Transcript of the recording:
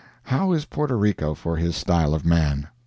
How is Porto Rico for his style of man?